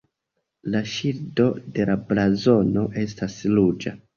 La ŝildo de la blazono estas ruĝa.